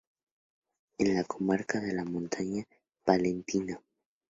En la comarca de la Montaña Palentina.